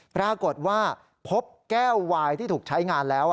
ปรากฏว่าพบแก้ววายที่ถูกใช้งานแล้ว